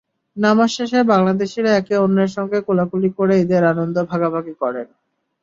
নামাজ শেষে বাংলাদেশিরা একে অন্যের সঙ্গে কোলাকুলি করে ঈদের আনন্দ ভাগাভাগি করেন।